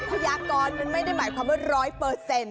พยากรมันไม่ได้หมายความว่าร้อยเปอร์เซ็นต์